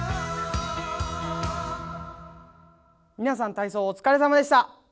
皆さん、体操お疲れさまでした。